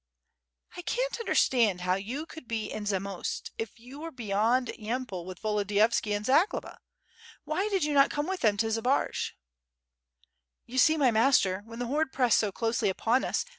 "T can't unflorstand how you could be in Zamost if you were beyond Yampol with Volodiyovski and Zagloba. Why did you not come with them to Zbaraj?" "You see, my master, when the horde pressed so closely upon us.